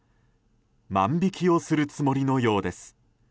万引きをするつもりのようです。